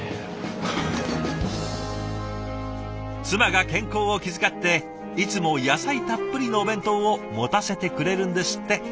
妻が健康を気遣っていつも野菜たっぷりのお弁当を持たせてくれるんですって。